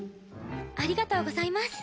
ありがとうございます。